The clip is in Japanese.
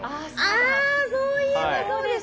あそういえばそうですね。